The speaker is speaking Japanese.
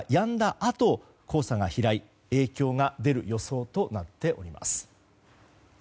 あと黄砂が飛来、影響が出る予想となっております。